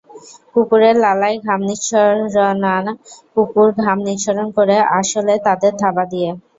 কুকুরের লালায় ঘাম নিঃসরণনা, কুকুর ঘাম নিঃসরণ করে আসলে তাদের থাবা দিয়ে।